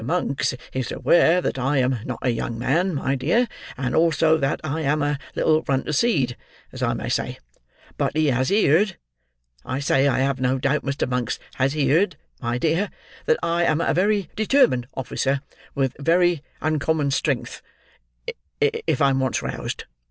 Monks is aware that I am not a young man, my dear, and also that I am a little run to seed, as I may say; but he has heerd: I say I have no doubt Mr. Monks has heerd, my dear: that I am a very determined officer, with very uncommon strength, if I'm once roused.